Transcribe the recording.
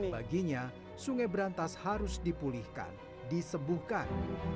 baginya sungai berantas harus dipulihkan disembuhkan